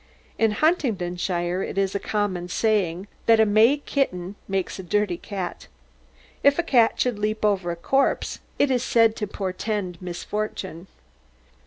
In Huntingdonshire it is a common saying that 'a May kitten makes a dirty cat.' If a cat should leap over a corpse, it is said to portend misfortune.